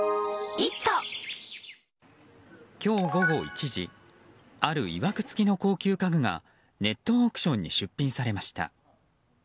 今日午後１時あるいわくつきの高級家具がネットオークションに出品されました。